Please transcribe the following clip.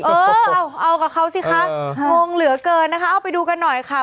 เออเอากับเขาสิคะงงเหลือเกินนะคะเอาไปดูกันหน่อยค่ะ